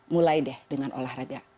mulai deh dengan olahraga